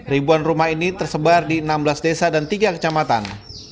ribuan rumah ini tersebar di enam belas desa dan tiga kecamatan